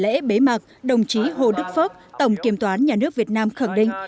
lễ bế mạc đồng chí hồ đức phước tổng kiểm toán nhà nước việt nam khẳng định